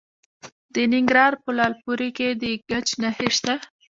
د ننګرهار په لعل پورې کې د ګچ نښې شته.